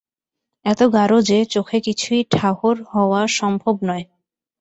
এত গাঢ় যে চোখে কিছুই ঠাহর হওয়া সম্ভব নয়।